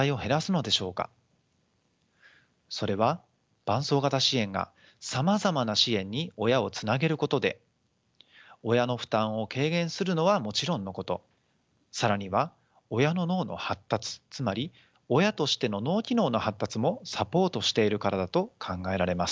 それは伴走型支援がさまざまな支援に親をつなげることで親の負担を軽減するのはもちろんのこと更には親の脳の発達つまり親としての脳機能の発達もサポートしているからだと考えられます。